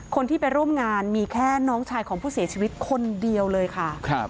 คนที่ไปร่วมงานมีแค่น้องชายของผู้เสียชีวิตคนเดียวเลยค่ะ